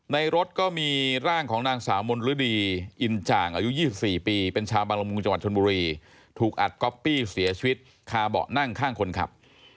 ในรถก็มีร่างของนางสาวมนฤดีอินจ่างอายุ๒๔ปีเป็นชาวบางละมุงจังหวัดชนบุรีถูกอัดก๊อปปี้เสียชีวิตคาเบาะนั่งข้างคนขับ